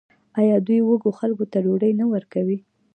آیا دوی وږو خلکو ته ډوډۍ نه ورکوي؟